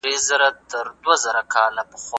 ټولنيز علوم د کُنت له خوا مطالعه سول.